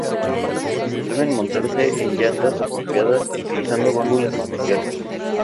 Deben montarse en llantas apropiadas, utilizando válvulas especiales.